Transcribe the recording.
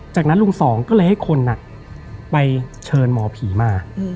จากนั้นลุงสองก็เลยให้คนไปเชิญหมอผีมา